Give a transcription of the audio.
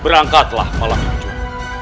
berangkatlah walaupun jauh